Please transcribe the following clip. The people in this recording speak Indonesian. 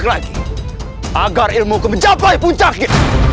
lebih banyak lagi agar ilmu ku mencapai puncaknya